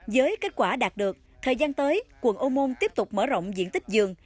với kết quả đạt được thời gian tới quận âu môn tiếp tục mở rộng diện tích vườn